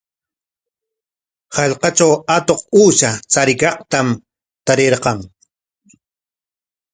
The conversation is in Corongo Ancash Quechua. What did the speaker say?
Hallqatraw atuq uusha chariykaqtam tarirqan.